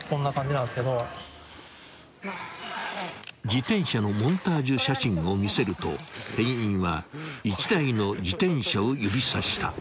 ［自転車のモンタージュ写真を見せると店員は一台の自転車を指さした］